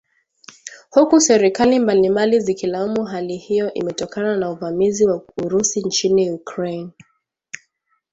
huku serikali mbalimbali zikilaumu hali hiyo imetokana na uvamizi wa Urusi nchini Ukraine